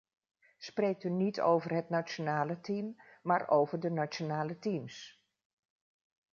Spreekt u niet over het nationale team, maar over de nationale teams.